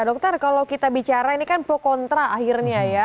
dokter kalau kita bicara ini kan pro kontra akhirnya ya